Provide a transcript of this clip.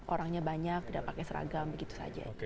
orangnya banyak tidak pakai seragam begitu saja